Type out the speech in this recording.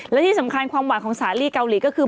และที่สำคัญความหวานของสาลีเกาหลีก็คือ